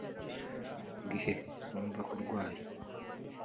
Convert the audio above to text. Mu gihe wumva urwaye